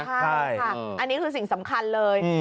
ใช่ค่ะอันนี้คือสิ่งสำคัญเลย